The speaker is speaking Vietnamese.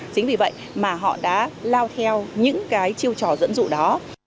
chính vì vậy mà họ đã lao theo những cái chiêu trò dẫn dụ đó